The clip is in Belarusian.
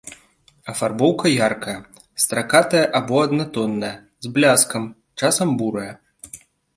Афарбоўка яркая, стракатая або аднатонная, з бляскам, часам бурая.